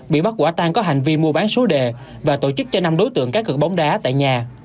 bị bắt quả tang có hành vi mua bán số đề và tổ chức cho năm đối tượng cá cực bóng đá tại nhà